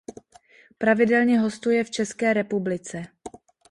Pravidelně hostuje v České republice.